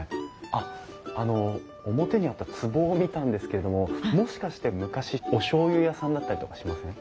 あっあの表にあったつぼを見たんですけどももしかして昔おしょうゆ屋さんだったりとかしません？